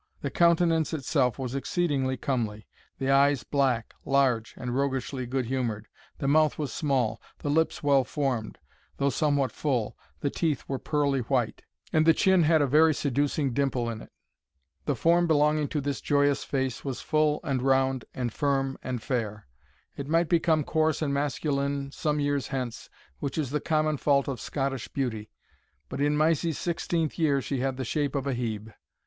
The countenance itself was exceedingly comely the eyes black, large, and roguishly good humoured the mouth was small the lips well formed, though somewhat full the teeth were pearly white and the chin had a very seducing dimple in it. The form belonging to this joyous face was full and round, and firm and fair. It might become coarse and masculine some years hence, which is the common fault of Scottish beauty; but in Mysie's sixteenth year she had the shape of a Hebe.